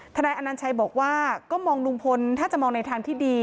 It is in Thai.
นายอนัญชัยบอกว่าก็มองลุงพลถ้าจะมองในทางที่ดี